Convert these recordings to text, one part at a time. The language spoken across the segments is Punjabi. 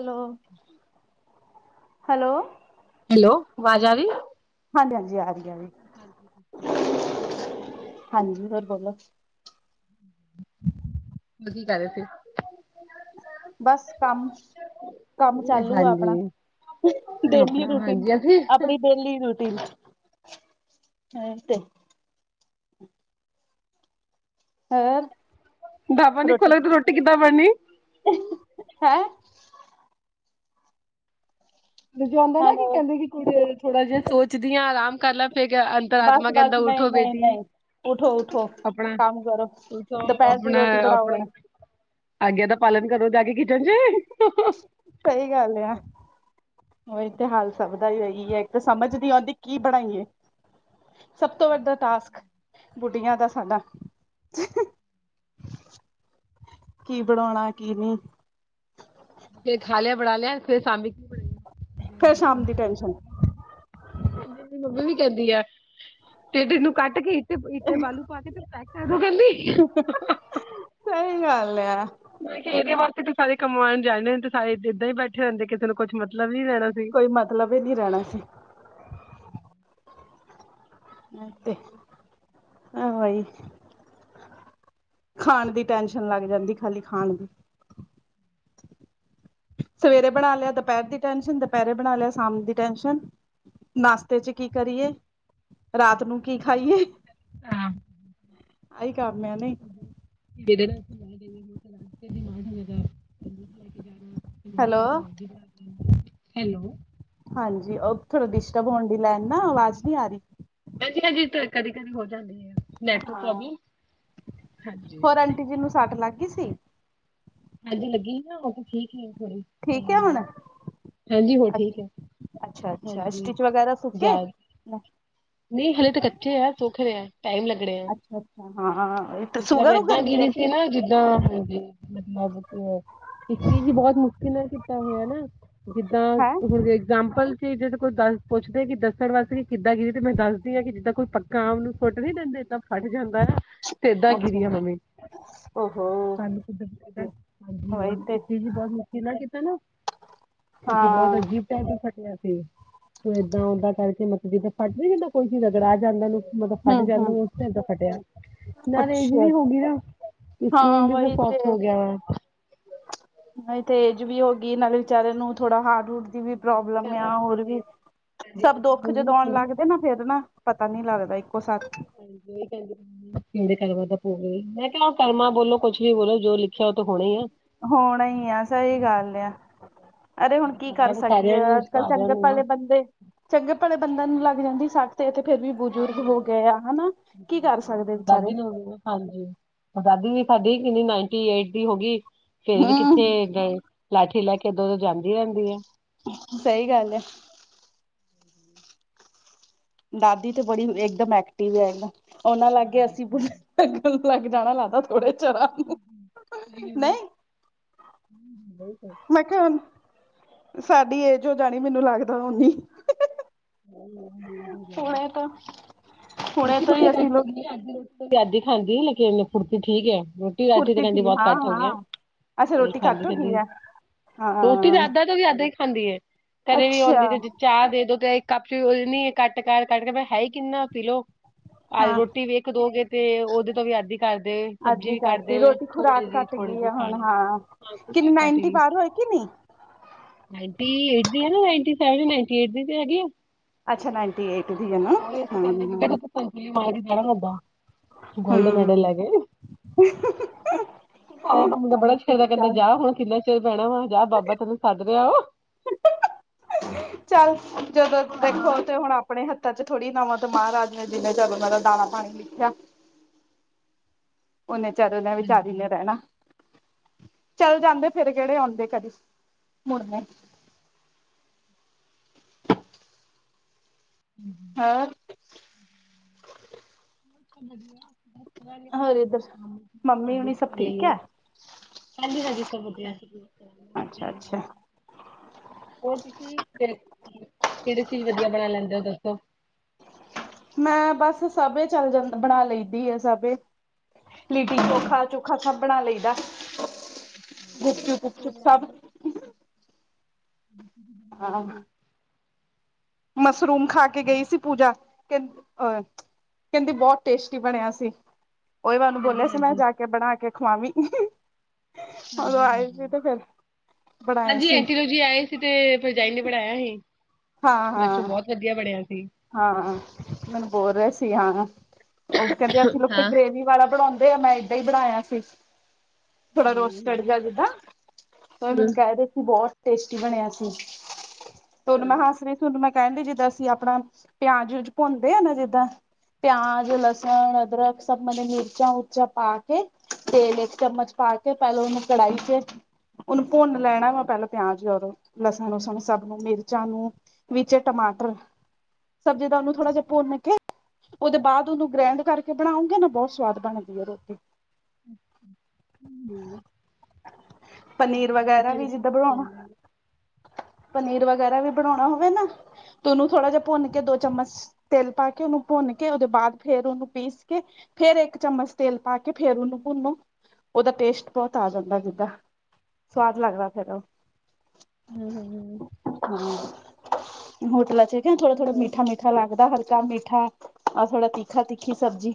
ਹੈਲੋ ਹੈਲੋ ਹੈਲੋ ਵਵਾਜ ਆਰੀ। ਹਾਂਜੀ ਹਾਂਜੀ ਆ ਰਹੀ। ਆ ਰਹੀ ਹਾਂਜੀੋ। ਹਾਂਜੀ ਹੋਰ ਬੋਲੋ ਕੀ ਕਰ ਰਹੇ ਸੀ? ਬਸ ਕੰਮ। ਕੰਮ ਚਾਲੂ ਆ ਆਪਣਾ ਹਾਂਜੀ ਡੇਲੀ ਆਪਣਾ ਰੁਟੀਨ ਹਾਂਜੀ ਅਸੀਂ ਆਪਣੀ। ਡੇਲੀ ਰੂਟੀਨ ਆ ਤੇ। ਹੋਰ ਢਾਬਾ ਨੀ ਖੋਲੋ ਤੇ ਰੋਟੀ ਕਿੱਦਾ ਬੰਨੀ। ਐ ਹੈ ਹੈ ਜੋ ਆਂਦਾ ਨਾ ਕੀ ਹੈਲੋ ਕਹਿੰਦੇ ਕਿ ਕੁੜੀ ਥੋੜਾ ਜਿਹਾ ਸੋਚਦੀ ਹਾਂ ਆਰਾਮ ਕਰ ਲੈ ਫਿਰ। ਬਸ ਤਤਮਾ ਬਸ ਕਹਿੰਦਾ ਨਹੀਂ ਉੱਠੋ ਨਹੀਂ ਬੇਟੀ, ਨਹੀਂ ਉਠੋ ਉਠੋ ਆਪਣਾ ਕੰਮ ਕਰੋ ਉੱਠੋ। ਦੁਪਹਿਰ ਦੀ ਆਪਣਾ ਰੋਟੀ ਬਣਾਓ ਆਪਣਾ ਹੁਣ ਆਗਿਆ ਦਾ ਪਾਲਣ ਕਰੋ ਜਾ ਕੇ ਕਿਚਨ ਚ ਸਹੀ ਗੱਲ ਆ। ਉਹੀ ਤੇ ਹਾਲ ਸਭ ਦਾ ਹੈਹੀ ਹੈ ਇੱਕ ਤਾਂ ਸਮਝ ਨੀ ਆਉਂਦੀ ਕੀ ਬਣਾਈਏ? ਸਭ ਤੋਂ ਵੱਡਾ ਟਾਸਕ ਬੁੱਢੀਆਂ ਦਾ ਸਾਡਾ! ਕੀ ਬਣਾਉਣਾ ਕੀ ਨਹੀਂ ਫੇਰ ਖਾ ਲਿਆ ਬਣਾ ਲਿਆ ਫਿਰ ਸ਼ਾਮੀ ਫੇਰ ਸ਼ਾਮ ਦੀ ਟੈਨਸ਼ਨ ਮੇਰੀ ਮੰਮੀ ਵੀ ਕਹਿੰਦੀ ਆ ਤੇ ਤੈਨੂੰ ਕੱਟ ਕੇ ਤੇ ਇੱਟੇ ਬਾਲੂ ਪਾ ਕੇ ਫ ਪੈਕ ਕਰ ਦੋ ਅਗੋ ਕੈੰਦੀ ਸਹੀ ਗੱਲ ਆ। ਇਹਦੇ ਵਾਸਤੇ ਸਾਰੇ ਕਮਾਉਣ ਜਾਣੇੁੰ ਤੇ ਸਾਰੇ ਇੱਦਾਂ ਹੀ ਬੈਠੇ ਹੁੰਦੇ ਕਿਸੇ ਨੂੰ ਕੁਛ ਮਤਲਬ ਨੀ ਲੈਣਾ ਸੀ। ਕੋਈ ਮਤਲਬ ਇਹ ਨੀ ਰਹਿਣਾ ਸੀ। ਮ ਤੇ ਆਹਵਾਈ ਖਾਣ ਦੀ ਟੈਨਸ਼ਨ ਲੱਗ ਜਾਂਦੀ ਖਾਲੀ ਖਾਣ ਦੀ ਸਵੇਰੇ ਬਣਾ ਲਿਆ ਦੁਪਹਿਰ ਦੀ ਟੈਨਸ਼ਨ ਦੁਪਹਿਰੇ ਬਣਾ ਲਿਆ ਸ਼ਾਮ ਦੀ ਟੈਸ਼ਨ ਨਾਸ਼ਤੇ ਚ ਕੀ ਕਰੀਏ ਰਾਤ ਨੂੰ ਕੀ ਖਾਈਏ। ਹਾਂ। ਆਈ ਕਮਿਆ ਨੇ ਜਿਹਦੇ ਨਾਲ ਅਸੀਂ ਲੈ ਜਾਈ ਰਾਤ ਦਿਮਾਗ ਹੋਵੇਗਾ ਲੈ ਕੇ ਹੈਲੋ ਜਾਣਾ ਹੈਲੋ ਹਾਂਜੀ ਉਹ ਥੋੜਾ ਡਿਿਸਟਬ ਹੋਣ ਦੀ ਲੈਣ ਨਾ ਆਵਾਜ਼ ਨਹੀਂੀ ਆ ਰਹੀ। ਹਾਂਜੀ ਹਾਂ ਕਦੀ ਕਦੇ ਹੋ ਜਾਂਦੀ ਆ ਹੈ। ਨੈੱਟਵਰਕ ਹਾਂ ਪਰੋਬਲ। ਕਿਸੀ ਨੂੰ ਸੱਟ ਲੱਗ ਗਈ ਸੀ? ਅੱਜ ਲੱਗੀ ਨਾ ਉਹ ਠੀਕ ਹੀ ਥੋੜੀ ਠੀਕ ਪਹਿਲਾਂ ਹੈ ਨਾਲ ਹੁਣ ਹਾਂਜੀ ਹੋ ਠੀਕ ਹੈ ਅੱਛਾ, ਅੱਛਾ ਹਾਂਜੀ ਸਟਿਚ ਵਗੈਰਾ ਸੁੱਕੇ ਜਾ ਹ [unintelligible] ਨਹੀਂ ਹਲੇ ਤਾਂ ਕੱਚੇ ਆ ਸੁੱਖ ਰਹੇ ਆ ਟਾਈਮ ਲੱਗ ਰਹੇ ਆ ਅੱਛਾ, ਅੱਛਾ ਹਾਂ ਮਤਲਬ ਸ਼ੂਗਰ ਉਗਰ ਏਦਾਂ ਵੀ ਹੈ ਗਿਰੀ ਕੀ ਸੀ ਨਾ ਜਿੱਦਾਂ ਹਾਂਜੀ। ਮਤਲਬ ਕੀ ਇਸ ਚੀਜ਼ ਵੀ ਬਹੁਤ ਮੁਸ਼ਕਿਲ ਨਾਲ ਕੀਤਾ ਹੋਇਆ ਨਾ ਜਿੱਦਾਂ ਹੈ ਹੁਣ ਇਗਜਾਮਪਲ ਚ ਜਦ ਕੋਈ ਦੱਸ ਪੁੱਛਦੇ ਕਿ ਦੱਸਣ ਵਾਸਤੇ ਕਿ ਕਿੱਦਾਂ ਕਿ ਤੇ ਮੈਂ ਦੱਸਦੀ ਹਾਂ ਕਿ ਜਿੱਦਾਂ ਕੋਈ ਪੱਕਾ ਆਮ ਨੂੰ ਫੁੱਟ ਨੀ ਦਿੰਦੇ ਤਾਂ ਫਟ ਜਾਂਦਾ ਹੈ। ਤੇ ਏਦਾਂ ਅੱਛਾ ਗਿਰੀ ਆ ਮੰਮੀ ਓਹੋ ਸਾਨੂੰ ਹਾਂਜੀ ਵਹੀ ਤੇ ਇਸੇ ਲਈ ਬਹੁਤ ਮੁਸ਼ਕਿਲ ਆ ਕਿਤੇ ਨਾ ਕਿਉਂਕਿ ਹਾਂ ਬਹੁਤ ਅਜੀਬ ਇਦਾਂ ਫਟਿਆ ਸੀ ਤੂੰ ਇਏਦਾਂ ਓਦਾਂ ਕਰਕੇ ਮਤਲਬ ਜਿੱਦਾਂ ਫੱਟ ਨ ਜਾਂਦਾ ਕੋਈ ਚੀਜ਼ ਅਗੜਾ ਜਾਂਦਾਨੂੰ ਮਤਲਬ ਹੂੰ ਫਟ ਜਾਂਦਾ ਹੂੰ ਉਸ ਦਿਨ ਤਾਂ ਫਟਿਆ ਨਾ ਰੇਜ ਅੱਛਾ ਵੀ ਹੋ ਗਈ ਨਾ ਹਾਂ ਵਕੀਲ ਜੀ ਤੇ ਵਹੀ ਸੌਤ ਹੋ ਗਿਆ ਵਾ ਤੇ ਏਜ ਵੀ ਹੋ ਗਈ ਨਾਲੇ ਵਿਚਾਰੇ ਨੂੰ ਥੋੜਾ ਹਾਰਡ ਹਡ ਵੀ ਪ੍ਰੋਬਲਮ ਆ ਹੋਰ ਵੀ ਸਭ ਦੁੱਖ ਜਦ ਆਉਣ ਲੱਗਦੇ ਨਾ ਫਿਰ ਨਾ ਪਤਾ ਨਹੀਂ ਲੱਗਦਾ ਇੱਕੋ ਸਥ ਹਾਂਜੀ ਕਹਿੰਦੇ ਦੇ ਕਰਮਾਂ ਦਾ ਭੋ ਮੈਂ ਕਿਹਾ ਕਰਮਾਂ ਬੋਲੋ ਕੁਛ ਵੀ ਬੋਲੋ ਜੋ ਲਿਖਿਆ ਉਹ ਤਾਂ ਹੋਣਾ ਹੀ ਆ। ਹੋਣਾ ਹੀ ਆ ਸਹੀ ਗੱਲ ਆ ਅਰੇ ਹੁਣ ਕੀ ਕਰ ਭੋਗਣਾ ਤਾਂ ਸਕੀਏ ਸਾਰਿਆਂ ਨੂੰ ਅੱਜ ਕੱਲ੍ਹ ਸਾਰਿਆਂ ਚੰਗੇ ਨੂੰ ਬਲੇ ਆ ਬੰਦੇ ਚੰਗੇ ਭਲੇ ਬੰਦ ਨੂੰ ਲੱਗ ਜਾਂਦੀ ਸਟ ਤੇ ਤੇ ਫੇਿਰ ਵੀ ਬਜ਼ੁਰਗ ਹੋ ਹਾਂਜੀ ਗਏ ਆ ਹਨਾ ਕੀ ਕਰ ਸਕਦੇ ਵਿਚਾਰੇ ਦਾਦੀ ਨੂੰ ਵੀ, ਹਾਂਜੀ ਆਜ਼ਾਦੀ ਵੀ ਸਾਡੀ ਕਿੰਨੀ ਨਾਈਟੀ ਏਟ ਦੀ ਹੋ ਗਈ। ਫੇਰ ਵੀ ਕਿੱਥੇ ਹੂੰ ਅ ਲਾਠੀ ਲੈ ਕੇ ਦੋ ਉਦੋ ਜਾਂਦੀ ਰਹਿੰਦੀ ਆ। ਸਹੀ ਗੱਲ ਹੈ। ਦਾਦੀ ਤੇ ਬੜੀ ਇੱਕਦਮ ਐਕਟਿਵ ਹੈ ਉਹਨਾਂ ਲਾਗੇ ਅਸੀਂ ਲੱਗ ਜਾਣਾ ਲੱਗਦਾ ਥੋੜੇ ਚਰਾਂ ਨੂੰ ਨਹੀਂ ਹ ਬਿਲਕ [unintelligible] ਮੈਂ ਕਿਹਾ ਹ ਸਾਡੀ ਏਜ ਹੋ ਜਾਣੀ ਮੈਨੂੰ ਲੱਗਦਾ ਓਨੀ ਵ ਬਾਰੇ ਹੁਣੇ ਤੋਂ ਹੁਣੇ ਰੋਟੀ ਤੋਂ ਹੀ ਪਾਣੀ ਕ ਅਸੀਂ ਸਕ ਲੋਕ ਅੱ ਰ ਆਦੀ ਖਾਂਦੀ ਲੇਕਿਨ ਫੜਤੀ ਠੀਕ ਹੈ। ਅਠ ਫੁਰਤੀ ਦਿਨਾ ਵਿਚ ਸੀ ਬਹੁਤ ਹਾਂ ਘੱਟ ਹੋ ਗ ਹਾਂ ਅੱਛਾ ਨਹੀਂ ਰੋਟੀ ਘੱਟ ਖਾਂਦੀ, ਹੋ ਗਈ ਖਾਂਦੀ ਹੈ ਰੋਟੀ ਹਾਂ ਤਾਂ ਅੱਧਾਂ ਤੋਂ ਵੀ ਅੱਧਾਂ ਹੀ ਖਾਂਦੀ ਹੈ ਘਰੇ ਵੀ ਅੱਛਾ ਆਉਂਦੀ ਤੇ ਚਾਹ ਦੇ ਦੋ ਤੇ ਇੱਕ ਕੱਪ ਚ ਉਹ ਨੀ ਕੱਟ ਕਰ ਕੱਟ ਕਰ ਹੈ ਹੀ ਕਿੰਨਾ ਪੀਲੋ, ਆ ਹਾਂ ਰੋਟੀ ਵੀ ਇੱਕ ਦੋ ਗੇ ਤੇ ਉਹਦੇ ਤੋਂ ਵੀ ਅੱਦੀ ਕਰਦੇ ਸਬਜ਼ੀ ਅੱਧੀ ਵੀ ਕਰਤੀ ਕਰਦੇ। ਰੋਟੀ ਥੋੜੀ ਖੁਰਾਕ ਜਿਹੀ ਘੱਟ ਥੋੜੀ ਗਈ ਜਿਹੀ ਆ ਹੁਣ, ਖਾਣੀ ਹਾਂ ਹਾਂ ਕਿੰਨੀ ਕੱਟ ਨਾਈਨਟੀ ਬਾਰ ਹੋਏ ਕਿ ਨੀ, ਨਾਈਟੀ ਐਟ ਦੀ ਤਾ ਹੈ ਸੈਵਨ ਐਟ ਦੀ ਹੈਗੀ ਆ। ਅੱਛਾ ਨਾਈਨਟੀ ਏਟ ਦੀ ਹੈ ਨਾ ਉਹੀ ਇਥੇ ਹਾਂ ਕਹਿੰਦੇ ਜਾਣਾ ਲੱਦਾ। ਹਾਂ ਗੋਲਡ ਮੈਡਲ ਹੈਗੇ। ਹਮ ਬੜਾ ਛੇੜਦਾ ਕਹਿੰਦਾ ਚੱਲ ਜਾ ਹੁਣ, ਕਿੰਨਾ ਚਿਰ ਪੈਣਾ ਵਾ ਜਾ ਬਾਬਾ ਤੈਨੂੰ ਸੱਦ ਰਿਹਾ ਵ, ਚੱਲ ਜਦੋਂ ਦੇਖੋ ਤੇ ਹੁਣ ਆਪਣੇ ਹੱਥਾਂ ਚ ਥੋੜੀ ਨਵਾਂ ਤੋਂ ਮਹਾਰਾਜ ਨੇ ਜਿਨੇ ਚਲੋ ਮੈਂਰਾ ਦਾਣਾ ਪਾਣੀ ਲਿਖਿਆ। ਉਹਨੇ ਚਾਰ ਉਹੇ ਵਿਚਾਰੀ ਨੇ ਰਹਿਣਾ, ਚੱਲ ਜਾਂਦੇ ਫੇਿਰ ਕਿਹੜੇ ਆਉਂਦੇ ਕਦੇ ਮੁੜ ਹਮ [unintelligible] ਹਾਂ ਵਧੀਆ ਹੋਰ ਇੱਧਰ ਮੰਮੀ ਹੁਣੀ ਸਭ ਠੀਕ ਹੈ ਲਈ, ਕਾਂਦੀ ਹਾਂਜੀ, ਉਤਰ ਵਧੀਆ ਅਸੀ, ਅੱਛਾ-ਅੱਛਾ, ਹੋਰ ਤੁਸੀਂ ਕਿੜ ਕਿਹੜੀ ਚੀਜ਼ ਵਧੀਆ ਬਣਾ ਲੈਂਦੇ ਹੋ ਦੱਸੋ? ਮੈਂ ਬਸ ਸਭ ਚੱਲ ਜਾਂ ਬਣਾ ਲਈਦੀ ਆ ਸਭ ਲਿਟੀ ਚੋ ਅੱਛਾ ਖਾ ਚੁੱਕ ਭੁੱਖਾ ਸਭ ਬਣਾ ਲਈਦਾ, ਗੁਪ ਅੱਛਾ ਚੁਪ ਗੁਪ ਰਸੋਈ ਚੁਪ ਸਭ ਬਣਾਉਂਦੇ ਆਹ ਹੋਵੋਗੇ ਤੁਸੀਂ ਮਸ਼ਰੂਮ ਖਾ ਕੇ ਗਈ ਸੀ, ਪੂਜਾ ਕਹ ਅ ਕਹਿੰਦੀ ਬਹੁਤ ਟੇਸਟੀ ਬਣਿਆ ਸੀ ਉਹੀ ਮੈਨੂੰ ਹਾਂਜੀ ਬੋਲਿਆ ਸੀ, ਮੈਂ ਹਾਂਜੀ ਜਾ ਕੇ ਬਣਾ ਕੇ ਖਵਾਵੀ। ਉਦੋਂ ਆਏ ਸੀ ਤੇ ਫਿਰ ਬਣਾਏ ਹਾਂਜੀ-ਹਾਂਜੀ-ਹਾਂਜੀ, ਸੀ ਐਂਟੀ ਤੋਂ ਜੀ ਆਏ। ਤੇ ਭਰਜਾਈ ਨੇ ਬਣਾਇਆ ਸੀ, ਹਾਂ ਮੈਂ ਇਸੋਂ ਹਾਂ ਬਹੁਤ ਵਧੀਆ ਬਣਿਆ ਸੀ। ਹਾਂ ਮੈਨੂੰ ਬੋਲ ਰਿਹਾ ਸੀ ਹਾਂ, ਉਹ ਕਹਿੰਦੇ ਅਸੀਂ ਲੋਕ ਹਾਂ ਗ੍ਰੇਵੀ ਵਾਲਾ ਬਣਾਦੇ ਆ, ਮੈਂ ਏਦਾਂ ਹੀ ਬਣਾਇਆ ਸੀ। ਥੋੜਾ ਰੋਸ਼ ਚੜ ਗਿਆ ਜਿੱਦਾਂ, ਹੂੰ ਮੈਨੂੰ ਕਹਿ ਰਹੇ ਸੀ ਬਹੁਤ ਟੇਸਟੀ ਬਣਿਆ ਸੀ, ਤੁਹਨੂੰ ਮੈਂ ਹੱਸ ਰਹੀ ਸੀ ਤੁਨੂੰ ਮੈਂ ਕਹਿਣ ਲਈ ਜਿੱਦਾਂ ਅਸੀਂ ਆਪਣਾ ਪਿਆਜ ਵਿਊਜ ਪਾਦੇ ਆ ਨਾ ਜਿੱਦਾਂ ਪਿਆਜ ਲਸਣ ਅਦਰਕ ਸਭ ਮਨੇ ਮਿਰਚਾ ਉਰਚਾ ਪਾ ਕੇ, ਤੇਲ ਇੱਕ ਚਮਚ ਪਾ ਕੇ ਪਹਿਲ ਉਹਨੂੰ ਕੜਾਹੀ ਚ ਉਹਨੂੰ ਭੁੰਨ ਲੈਣਾ ਵਾ ਪਹਿਲਾਂ ਪਿਆਜ ਰ ਲਸਣ-ਲਸਣ ਸਭ ਨੂੰ ਮਿਰਚਾਂ ਨੂੰ ਵਿੱਚ ਟਮਾਟਰ, ਸਬਜ਼ੀ ਦਾ ਉਹਨੂੰ ਥੋੜਾ ਜਿਹਾ ਭੁਨ ਕੇ। ਉਹਦੇ ਬਾਅਦ ਉਹਨੂੰ ਗ੍ਰੈਂਡ ਕਰਕੇ ਬਣਾਉਂਗੇ, ਨਾ ਬਹੁਤ ਸਵਾਦ ਬਣਦੀ ਹੈ ਰੋਟੀ। [inaudible] ਹੂੰ ਪਨੀਰ ਹੂੰ ਵਗੈਰਾ ਚਣੇ ਵੀ ਦੀ ਜਿੱਦਾਂ ਸਬਜ਼ੀ ਕਿਵੇਂ ਬਣਾਣਾ। ਬਣਾਉਂਦੇ ਪਨੀਰ ਵਗੈਰਾ ਵੀ ਬਣਾਣਾ ਹੋਵੇ, ਨਾ ਤੇ ਉਹਨੂੰ ਥੋੜਾ ਜਿਹਾ ਭੁੰਨ ਕੇ ਦੋ ਚਮਚ ਤਿਲ ਪਾ ਕੇ ਉਹਨੂੰ ਭੁੰਨ ਕੇ ਉਹਦੇ ਬਾਅਦ ਫੇਰ ਉਹਨੂੰ ਪੀਸ ਕੇ ਫੇਰ ਇੱਕ ਚਮਚ ਤੇਲ ਪਾ ਕੇ ਫੇਰ, ਉਹਨੂੰ ਭੁੰਨੋ ਉਹਦਾ ਟੇਸਟ ਬਹੁਤ ਆ ਜਾਂਦਾ ਜਿੱਦਾਂ। ਸਵਾਦ ਲੱਗਦਾ, ਫੇਰ ਉਹ ਹੂੰ-ਹੂੰ-ਹੂੰ, ਹਾਂ ਹੋਟਲਾ ਚ ਕ ਥੋੜਾ ਥੋੜਾ ਮੀ ਹੂੰ ਮੀਠਾ ਲੱਗਦਾ, ਹਲਕਾ ਮੀਠਾ ਆਹ ਥੋੜਾ ਤੀਖਾ ਤਿੱਖੀ ਸਬਜ਼ੀ।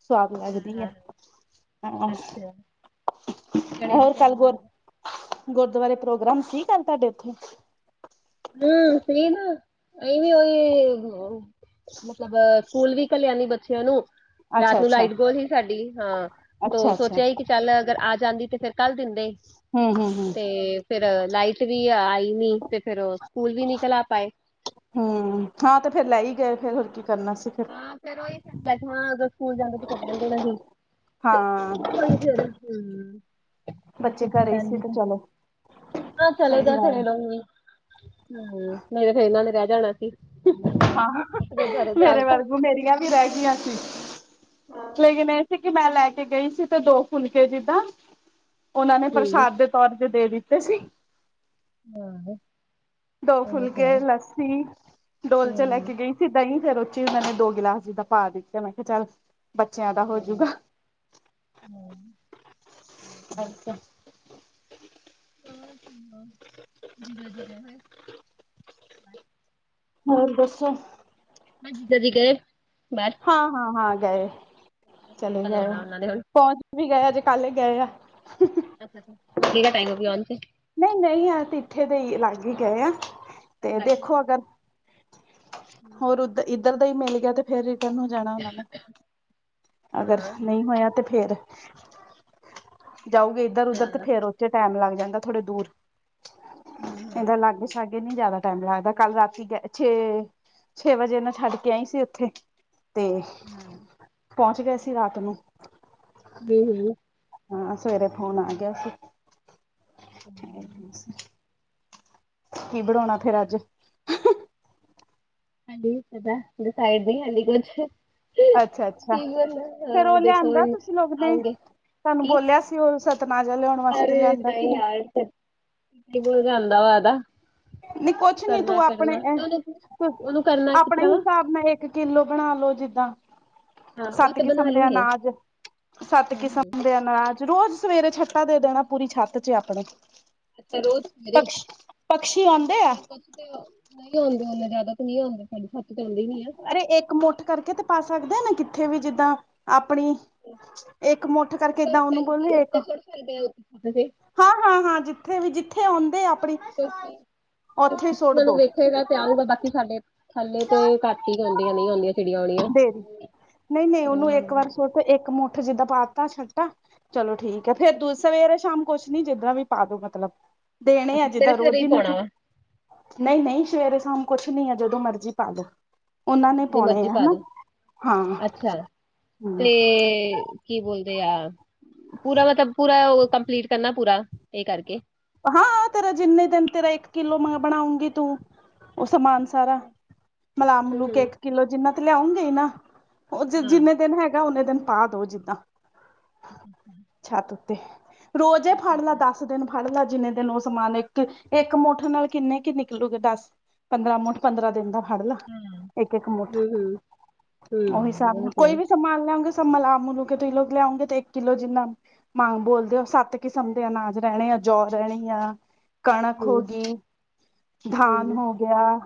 ਸਵਾਦ ਹਾਂ ਲੱਗਦੀ ਹੈ, ਹਾਂ ਹਾਂ ਅੱਛਾ ਚਣੇ ਦੀ ਹੋਰ ਕਿਵੇਂ ਕੱਲ ਗੋਰ ਬਣਾਉਂਦੇ ਗੁਰਦੁਆਰੇ ਪ੍ਰੋਗਰਾਮ ਠੀਕ ਹਨ, ਤੁਹਾਡੇ ਉੱਥੇ? ਹੂੰ ਸੀ ਨਾ ਅ ਉਹੀ ਮਤਲਬ, ਸਕੂਲ ਵੀ ਘਲਿਆ ਨਹੀਂ ਬੱਚਿਆਂ ਨੂੰ ਰਾਤ ਅੱਛਾ ਨੂੰ ਅੱਛਾ ਲਾਈਟ ਗੋਲ ਸੀ ਸਾਡੀ ਹਾਂ ਤੋ ਅੱਛਾ ਅੱਛਾ ਸੋਚਿਆ ਕਿ। ਚੱਲ ਅਗਰ ਆ ਜਾਂਦੀ ਤੇ ਫੇਰ ਕੱਲ ਦਿੰਦੇ। ਹਮ ਹਮ ਹਮ ਤੇ ਫਿਰ ਲਾਈਟ ਵੀ ਆਈ ਨੀ ਤੇ ਫੇਰ ਸਕੂਲ ਵੀ ਨਿਕਲ ਆ ਪਾਏ। ਹੂੰ ਹਾਂ ਤੇ ਫੇਰ ਲੈ ਹੀ ਗਏ ਫੇਰ ਹੋਰ ਕੀ ਕਰਨਾ ਸੀ। ਹਾਂ ਫਿਰ ਉਹੀ ਵੈਸੇ ਨਾ ਅਗਰ ਸਕੂਲ ਜਾਂਦੇ ਸੀ ਤਾਂ ਫੇਰ ਰਹਿਣ ਦੇਣਾ ਸੀ। ਹਾਂ। ਉਹੀ ਫਿਰ ਹੂੰ। ਬੱਚੇ ਘਰੇ ਹੀ ਸੀ ਤੇ ਚਲੋ ਹਾਂ ਸਹੀ ਚਲੇਗਾ ਗੱਲ ਖੇਡ ਹੈ ਆਉਗੀ। ਹੂੰ ਨਹੀਂ ਤਾਂ ਫੇਰ ਇਹਨਾਂ ਨੇ ਰਹਿ ਜਾਣਾ ਸੀ। ਆ ਜੇ ਘਰੇ ਜਾਣ ਮੇਰੇ ਤਾਂ ਵਾਂਗੂੰ ਮੇਰੀਆਂ ਵੀ ਰਹਿ ਗਈਆਂ ਸੀ। ਲੇਕਿਨ ਇਹ ਸੀ ਕਿ ਮੈਂ ਲੈ ਕੇ ਗਈ ਸੀ ਤੇ ਦੋ ਫੁਲਕੇ ਜਿੱਦਾਂ ਉਹਨਾਂ ਨੇ ਹੂੰ। ਪ੍ਰਸ਼ਾਦ ਦਿੱਤਾ। ਤੌਰ ਤੇ ਦੇ ਦਿੱਤੇ ਸੀ। ਹਾਂ, ਦੋ ਇਹ ਫੁਲਕੇ ਤੇ ਹੈ। ਲੱਸੀ ਡੋਲ ਚ ਲੈ ਹੂੰ। ਕੇ ਗਈ ਸੀਂ ਦਹੀਂ ਫੇਰ ਉਚੀ ਉਹਨਾਂ ਨੇ ਦੋ ਗਿਲਾਸ ਜਿੱਦਾਂ ਪਾ ਦਿੱਤਾ, ਮੈਂ ਕਿਹਾ ਚੱਲ ਬੱਚਿਆਂ ਦਾ ਹੋਜੂਗਾ, ਹੂੰ। ਅੱਛਾ ਹ ਜੀਦਾ-ਜੀਦ ਹੋਏ। ਹੋਰ ਦੱਸੋ? ਹਾਂਜੀ ਦੀਦੀ ਗਏ ਬਾਹਰ। ਹਾਂ ਹਾਂ ਹਾਂ ਗਏ ਚਲੇ ਕਦੋਂ ਗਏ ਉਹ ਆਉਣਾ ਉਹਨਾਂ ਨੇ ਹੁਣ। ਪਹੁੰਚ ਵੀ ਗਏ ਹਜੇ ਕੱਲ ਗਏ ਆ। ਅੱਛਾ ਅੱਛਾ ਲੱਗੇਗਾ ਟਾਈਮ ਵੀ ਆਉਂਣ ਤੇ। ਨਹੀਂ ਨਹੀਂ ਅਸੀ ਇੱਥੇ ਦੇ ਹੀ ਲਾਗੇ ਗਏ ਆ ਤੇ ਦੇਖੋ ਅਗਰ। ਹੋਰ ਉੱਧਰ ਇੱਧਰ ਦਾ ਹੀ ਮਿਲ ਗਿਆ ਤੇ ਫੇਰ ਇੱਧਰ ਨੂੰ ਜਾਣਾ ਉਹਨਾਂ ਨੇ। ਅਗਰ ਹਾਂ-ਹਾਂ, ਨਹੀਂ ਹੋਇਆ ਤੇ ਫੇਰ ਜਾਊਗੇ ਇੱਧਰ ਉੱਧਰ ਤੇ ਫੇਰ। ਉੱਥੇ ਟਾਈਮ ਲੱਗ ਜਾਂਦਾ ਥੋੜਾ ਦੂਰ ਇਹਦੇ ਹੂੰ-ਹੂੰ, ਨਾਲ ਸਾਡੇ। ਇੱਥੇ ਨਹੀਂ ਜ਼ਿਆਦਾ ਟਾਈਮ ਲੱਗਦਾ ਕੱਲ ਰਾਤੀ ਛੇ। ਛੇ ਵਜੇ ਇਹ ਨਾ ਛੱਡ ਕੇ ਆਈ ਸੀ ਉੱਥੇ ਤੇ। ਹੂੰ। ਪਹੁੰਚ ਗਏ ਸੀ ਰਾਤ ਨੂੰ। ਵੀ ਹੂੰ। ਹਾਂ ਸਵੇਰੇ ਫੋਨ ਆ ਗਿਆ ਸੀਂ। ਕੀ ਬਣਾਉਣਾ ਫੇਰ ਅੱਜ? ਹਾਂਜੀ ਪਤਾ ਡਿਸਾਈਡ ਨਹੀਂ ਅਜੇ ਕੁਛ। ਅੱਛਾ ਅੱਛਾ ਈਵਨ ਫੇਰ ਅ ਉਹ ਦੇਖੋ ਲਿਆਂਦਾ ਹੁਣ ਤੁਸੀਂ ਲੋਕ ਨੇ ਆਉਂਗੇ ਤੁਹਾਨੂੰ ਕੀ ਬੋਲਿਆ ਸੀ ਉਸ। ਤਨਾਜਾ ਲਿਆਉਣ ਵਾਸਤੇ ਲਿਆਂਦਾ ਕਿ ਨਹੀਂ। ਹੂੰ ਕਿੰਨੂ ਲਿਜਾਉਣ ਦਾ ਵਾਦਾ। ਨੀ ਕੁਛ ਨੀ ਤੂੰ ਆਪਣੇ ਉਹਨੂੰ ਕਰਨਾ ਕਿਸ ਆਪਣੇ ਤਰ੍ਹਾਂ ਵਾ ਹਿਸਾਬ ਨਾਲ। ਇੱਕ ਕਿਲੋ ਬਣਾ ਲੋ ਜਿੱਦਾਂ। ਹਾਂ ਉਹ ਸੱਤ ਤੇ ਕਿਸਮ ਬਣਾ ਦੇ ਲੂੰਗੇ ਅਨਾਜ ਸੱਤ ਹੂੰ-ਹੂੰ ਕਿਸਮ ਦੇ। ਅਨਾਜ਼ ਰੋਜ਼ ਸਵੇਰੇ ਛੱਤਾਂ ਦੇ ਦੇਣਾ ਪੂਰੀ ਛੱਤ 'ਚ ਆਪਣੇ। ਅੱਛਾ ਰੋਜ਼ ਸਵੇਰੇ ਪਕਸ਼ ਪਕਸ਼ੀ ਸਾਡੇ ਆਉਂਦੇ ਆ ਉਹਨਾ ਕੁ। ਨਹੀਂ ਆਉਂਦੇ ਨੇ ਜ਼ਿਆਦਾ ਤਾਂ ਨਹੀਂ ਆਉਂਦੇ ਸਾਡੀ ਛੱਤ ਤੇ ਆਉਂਦੇ ਵੀ ਆ। ਅਰੇ ਇੱਕ ਮੁੱਠ ਕਰਕੇ ਤੇ ਪਾ ਸਕਦੇ ਆ ਨਾ ਕਿੱਥੇ ਵੀ ਜਿੱਦਾਂ ਆਪਣੀ। ਇੱਕ ਮੁੱਠ ਕਰਕੇ ਏਦਾਂ ਉੱਪਰ ਉਹਨੂੰ ਟੈਂਕੀ ਬੋਲੇ ਇੱਕ। ਉੱਤੇ ਸੁੱਟ ਸਕਦੇ ਆ ਉੱਤੇ ਛੱਤ ਤੇ, ਹਾਂ ਹਾਂ ਹਾਂ ਜਿੱਥੇ ਵੀ ਜਿੱਥੇ ਆਉਂਦੇ ਆਪਣੀ। ਉੱਥੇ ਸੁੱਟ ਕਈਆ ਨੂੰ ਦੋ ਵੇਖੇਗਾ ਤੇ ਆਊਗਾ ਬਾਕੀ ਸਾਡੇ ਇੱਥੇ। ਥੱਲੇ ਤੇ ਘੱਟ ਹੀ ਹੁੰਦੀਆਂ ਨਹੀਂ ਹੁੰਦੀਆਂ ਚਿੜੀਆਂ ਹੋਣੀਆਂ ਨਹੀਂ ਆਉਂਦੀਆਂ। ਉੱਥੇ ਇੱਕ ਮੁੱਠ ਜਿੱਦਾਂ ਪਾਤਾ ਛੱਟਾ ਚਲੋ ਠੀਕ ਹੈ ਫੇਰ ਸਵੇਰੇ ਸ਼ਾਮ। ਕੁਛ ਨੀ ਜਿੱਦਾਂ ਵੀ ਪਾ ਲੋ ਮਤਲਬ ਦੇਣੇ ਆ ਅੱਛਾ ਸਵੇਰੇ ਜਿੱਦਾਂ ਸਵੇਰੇ ਰੋਜ਼ ਹੀ ਪਾਉਣਾ ਮਤਲਬ। ਵਾ ਨਹੀਂ-ਨਹੀਂ ਸ਼ਵੇਰੇ ਸਾਮ ਕੁਛ ਨਹੀਂ ਹੈ, ਜਦੋਂ ਮਰਜ਼ੀ ਪਾਦੋ। ਨੀ ਮਰਜੀ ਪਾਦੋ ਹਾਂ ਅੱਛਾ, ਹਮ ਤੇ। ਕੀ ਬੋਲਦੇ ਆ, ਪੂਰਾ ਮਤਲਬ ਪੂਰਾ ਉਹ ਕੰਪਲੀਟ ਕਰਨਾ ਪੂਰਾ ਇਹ ਕਰਕੇ। ਹਾਂ, ਤੇਰਾ ਜਿੰਨੇ ਦਿਨ ਤੇਰਾ ਇੱਕ ਕਿਲੋ ਮੈਂ ਬਣਾਉਂਗੀ ਤੂੰ ਉਹ ਸਮਾਨ। ਸਾਰਾ, ਮਲਾ ਹੂੰ ਮਲੂ ਹੂੰ ਕੇ ਏਕ ਕਿੱਲੋ ਜਿੰਨਾ ਤੇ ਲਿਆਉਗੇ ਹੀ ਨਾ। ਉਹ ਜਿ ਹਾਂ ਜਿੰਨੇ ਦਿਨ ਹੈਗਾ ਓਨੇ ਦਿਨ ਪਾ ਦੋ ਜਿੱਦਾਂ। ਹਥ ਉੱਤੇ, ਰੋਜ਼ੇ ਫੜ ਲਾ ਦਸ ਦਿਨ। ਫੜ ਲਾ ਜਿੰਨੇ ਦਿਨ ਉਹ ਸਮਾਨ ਇੱਕ, ਇੱਕ ਮੋਠ ਨਾਲ ਕਿੰਨੇ ਕੀ ਨਿਕਲੂਗੇ ਦੱਸ? ਪੰਦਰਾਂ ਮੁਠ, ਪੰਦਰਾਂ ਦਿਨ ਦਾ। ਫੜ ਲਾ, ਇੱਕ-ਇੱਕ ਮੁੱਠ, ਹੂੰ ਹੂੰ ਉਹੀ ਹਿਸਾਬ ਹੂੰ ਉਹ ਨਾਲ ਆ ਕੋਈ ਵੀ। ਤੇ ਸਾਨ ਲਾਂਗੇ ਸਬ ਮਲਾ-ਮਲੂ ਕੇ ਤੂਸੀ ਲੋਗ ਲਿਆਉਂਗੇ ਤੇ ਇੱਕ ਕਿਲੋ ਜਿੰਨਾ। ਮਾਂਗ ਬੋਲ ਦਿਓ, ਸਾਤ ਕਿਸਮ ਦੇ ਅਨਾਜ ਰਹਿਣੇ ਆ। ਜੋ ਰਹਿਣੀਆ, ਕਣਕ ਹੋ ਹੂੰ ਗੀ, ਧਾਨ ਹੂੰ ਹੋ। ਗਿਆ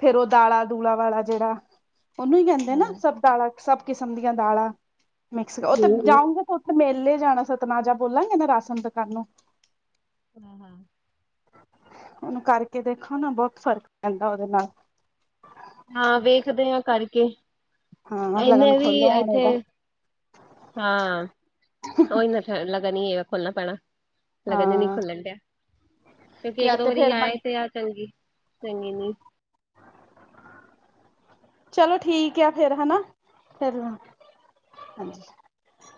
ਫੇਰ ਉਹ ਦਾਲਾਂ ਦੂਲਾ ਵਾਲਾ ਜਿਹੜਾ ਉਹਨੂੰ ਹੀ ਕਹਿੰਦੇ ਨਾ ਹਾਂ ਸਭ। ਦਾਲਾਂ ਸਭ ਕਿਸਮ ਦੀਆਂ ਦਾਲਾਂ ਮਿਕਸ ਉਹ ਤੇ ਹੂੰ ਜਾਊਂਗੇ। ਉੱਥੇ ਮੇਲੇ ਜਾਣਾ ਸਤਨਾਜਾ ਬੋਲਾਂਗੇ ਨਾ ਰਾਸ਼ਨ ਦੁਕਾਨ ਨੂੰ। ਹੂੰ ਹਾਂ। ਉਹਨੂੰ ਕਰਕੇ ਦੇਖੋ ਨਾ ਬਹੁਤ ਫਰਕ ਪੈਂਦਾ ਉਹਦੇ ਨਾਲ। ਹਾਂ ਵੇਖਦੇ ਹਾਂ ਕਰਕੇ ਹਾਂ ਲਗਨ ਇਹਨੇ ਵੀ ਖੋਲੋ ਹੁਣ ਇੱਥੇ। ਇਹਦਾ ਹਾਂ, ਉਹੀ ਨਾ [unintelligible] ਲਗਾ ਨੀ ਏ ਖੋਲਣਾ ਪੈਣਾ। ਲਗਨ ਹਿ ਨਹੀਂ ਹਾਂ ਖੁੱਲਣ ਡਿਆ। ਕਿਉਂਕਿ ਇੱਕ ਜਾਂ ਦੋ ਤੇ ਵਰੀ ਏ ਫੇਰ ਆਏ ਤੇ ਆ ਟੰਗੀ-ਚੰਗੀ ਨੀ। [inaudible] ਚਲੋ ਠੀਕ ਏ ਫੇਰ ਹੈਨਾ, [unintelligible] ਹਾਂਜੀ।